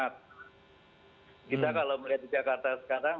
kita kalau melihat di jakarta sekarang